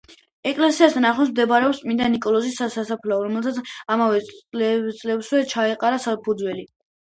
ეკლესიასთან ახლოს მდებარეობდა წმინდა ნიკოლოზის სასაფლაო, რომელსაც ამავე წელსვე ჩაეყარა საფუძველი.